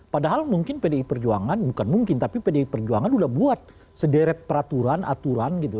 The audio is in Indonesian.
padahal mungkin pdi perjuangan bukan mungkin tapi pdi perjuangan sudah buat sederet peraturan aturan gitu